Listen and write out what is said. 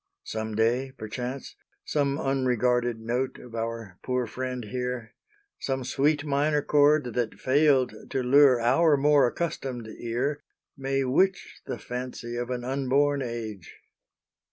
Some day, perchance, some unregarded note Of our poor friend here some sweet minor chord That failed to lure our more accustomed ear May witch the fancy of an unborn age.